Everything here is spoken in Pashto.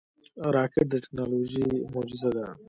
راکټ د ټکنالوژۍ معجزه ده